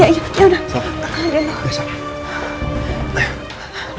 ya ya yaudah